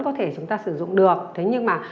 có thể chúng ta sử dụng được thế nhưng mà